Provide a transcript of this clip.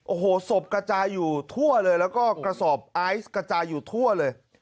โอ้โหศพกระจายอยู่ทั่วเลยแล้วก็กระสอบไอซ์กระจายอยู่ทั่วเลย